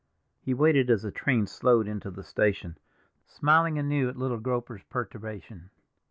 He waited as the train slowed into the station, smiling anew at little Groper's perturbation.